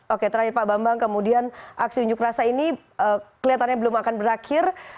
oke terakhir pak bambang kemudian aksi unjuk rasa ini kelihatannya belum akan berakhir